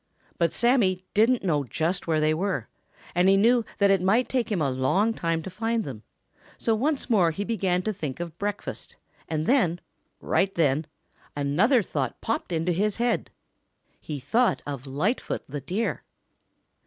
But Sammy didn't know just where they were and he knew that it might take him a long time to find them, so he once more began to think of breakfast and then, right then, another thought popped into his head. He thought of Lightfoot the Deer.